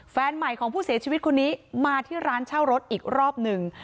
แฟนใหม่ของผู้เสียชีวิตคนนี้มาที่ร้านเช่ารถอีกรอบหนึ่ง